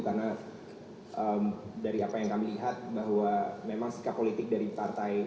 karena dari apa yang kami lihat bahwa memang sikap politik dari partai